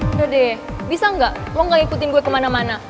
udah deh bisa nggak lo gak ngikutin gue kemana mana